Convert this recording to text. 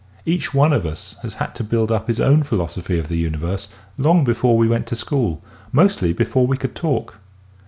Each one of us has had to build up his own philosophy of the universe long before we went to school, mostly before we could talk.